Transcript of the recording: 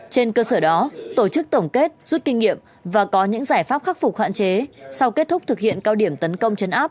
trên cơ sở đó tổ chức tổng kết rút kinh nghiệm và có những giải pháp khắc phục hạn chế sau kết thúc thực hiện cao điểm tấn công chấn áp